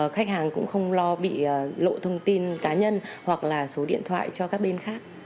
khách hàng cũng không lo bị lộ thông tin cá nhân hoặc là số điện thoại cho các bên khác